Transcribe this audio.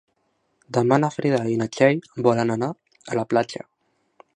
Demà na Frida i na Txell volen anar a la platja.